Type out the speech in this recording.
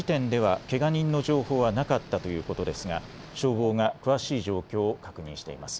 通報時点ではけが人の情報はなかったということですが消防が詳しい状況を確認しています。